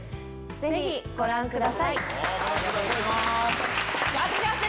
ぜひご覧ください。